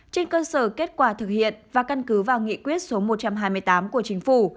trên cơ sở kết quả thực hiện và căn cứ vào nghị quyết số một trăm hai mươi tám của chính phủ